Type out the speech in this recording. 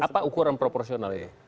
apa ukuran proporsional itu